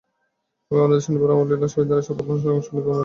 আমি আপনাদের শনিবার রামলীলা ময়দানে শপথ অনুষ্ঠানে অংশ নিতে অনুরোধ করছি।